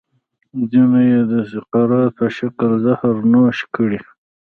ځینو یې د سقراط په شکل زهر نوش کړي.